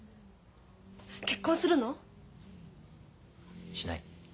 結婚するの？しない。